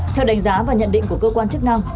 theo đánh giá và nhận định của cơ quan chức năng